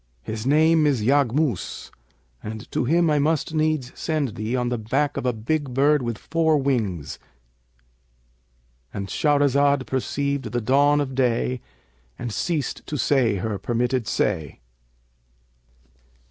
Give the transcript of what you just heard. His name is Yaghmϊs and to him I must needs send thee on the back of a big bird with four wings,'"—And Shahrazad perceived the dawn of day and ceased to say her permitted say.